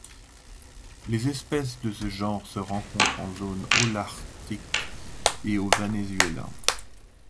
Les espèces de ce genre se rencontrent en zone holarctique et au Venezuela.